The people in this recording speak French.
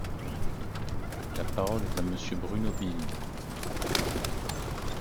La parole est à Monsieur Bruno Bilde.